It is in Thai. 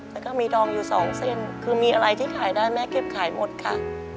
แล้วก็มีดองอยู่สองเส้นคือมีอะไรที่ขายได้แม่เก็บขายหมดค่ะ